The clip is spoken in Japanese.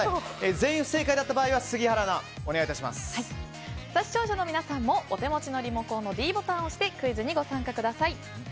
全員不正解だった場合は視聴者の皆さんもお手持ちのリモコンのｄボタンを押してクイズにご参加ください。